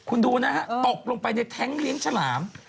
คุณดูนะฮะตกลงไปในแท้งเลี้ยงฉลาม